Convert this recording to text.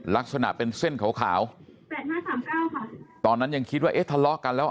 ลักษณะเป็นเส้นขาวตอนนั้นยังคิดว่าทะเลาะกันแล้ว